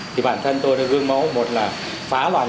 thì bản thân tôi đã gương mẫu một là phá lòng